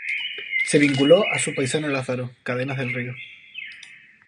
Se vinculó a su paisano Lázaro Cárdenas del Río.